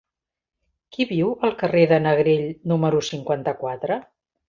Qui viu al carrer de Negrell número cinquanta-quatre?